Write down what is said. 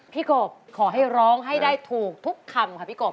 กบขอให้ร้องให้ได้ถูกทุกคำค่ะพี่กบ